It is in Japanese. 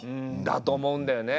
だと思うんだよね。